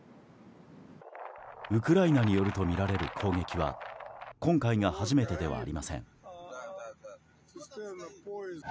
ウクライナによるとみられる攻撃は今回が初めてではありません。